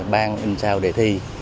ban in sao để thi